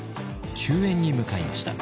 救援に向かいました。